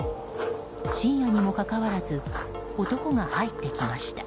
深夜にもかかわらず男が入っていきました。